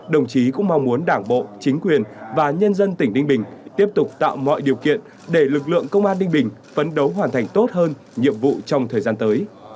đồng chí cũng mong muốn đảng bộ chính quyền và nhân dân tỉnh ninh bình tiếp tục tạo mọi điều kiện để lực lượng công an ninh bình phấn đấu hoàn thành tốt hơn nhiệm vụ trong thời gian tới